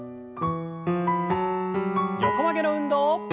横曲げの運動。